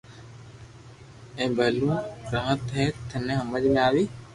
آ بي ڀلو وات ھي ٿني ھمج مي آوي